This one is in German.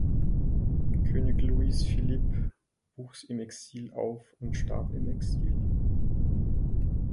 König Louis-Philippe wuchs im Exil auf und starb im Exil.